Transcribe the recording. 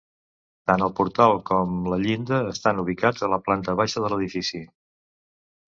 Tant el portal com la llinda estan ubicats a la planta baixa de l'edifici.